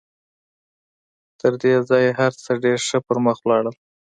تر دې ځايه هر څه ډېر ښه پر مخ ولاړل.